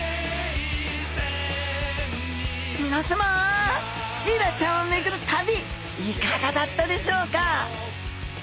皆さまシイラちゃんを巡る旅いかがだったでしょうか？